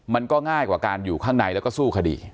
มันก็ง่ายกว่าการอยู่ข้างในแล้วก็สู้คดี